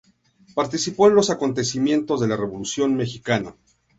Participó en los acontecimientos de la Revolución mexicana.